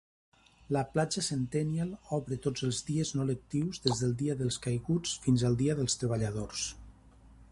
La platja Centennial obre tots els dies no lectius des del Dia dels Caiguts fins al Dia dels Treballadors.